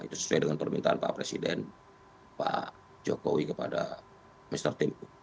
itu sesuai dengan permintaan pak presiden pak jokowi kepada mr tempo